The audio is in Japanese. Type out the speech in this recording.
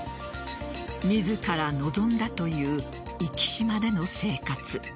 自ら望んだという壱岐島での生活。